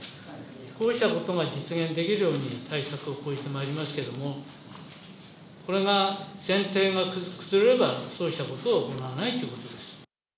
こうしたことが実現できるように対策を講じてまいりますけれども、これが前提が崩れれば、そうしたことを行わないということです。